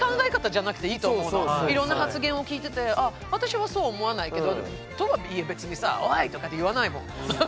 別にいろんな発言を聞いてて「あ私はそうは思わないけど」。とはいえ別にさ「おい！」とかって言わないもん。